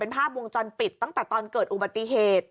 ภาพวงจรปิดตั้งแต่ตอนเกิดอุบัติเหตุ